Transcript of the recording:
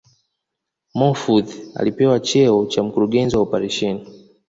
Mahfoudhi alipewa cheo cha Mkurugenzi wa Operesheni